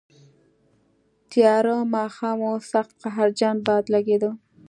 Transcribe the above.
تیاره ماښام و، سخت قهرجن باد لګېده.